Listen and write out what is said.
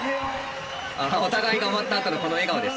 お互いが終わったあとのこの笑顔です。